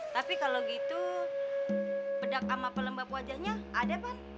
tapi kalau gitu pedak sama pelembab wajahnya ada pak